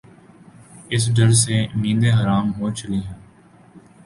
اس ڈر سے نیندیں حرام ہو چلی ہیں۔